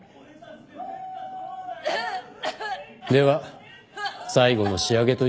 では最後の仕上げといきますか。